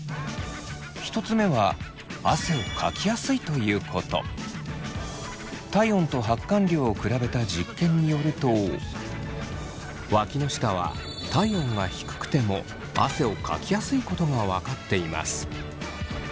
１つ目は体温と発汗量を比べた実験によるとわきの下は体温が低くても汗をかきやすいことが分かっています。